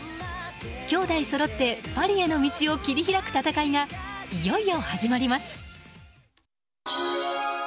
兄妹そろってパリへの道を切り開く戦いがいよいよ始まります。